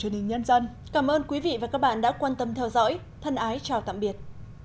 truyền hình nhân dân cảm ơn quý vị và các bạn đã quan tâm theo dõi thân ái chào tạm biệt